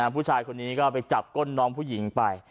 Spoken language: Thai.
ผู้ชายคนนี้ก็ไปจับก้นน้องผู้หญิงไป